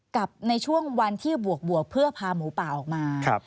กับในช่วงวันที่บวกเพื่อพาหมูป่าออกมา